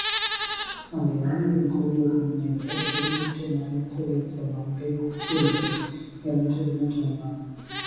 அந்த யானையின் கூரிய கொம்பினைவிடத் திரையிட்டு மறைத்துவைத்த வம்பே கூரியது என்று எண்ணத் தொடங்கினான்.